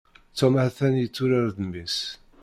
Tom ha-t-an yetturar d mmi-s.